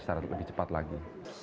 secara lebih cepat lagi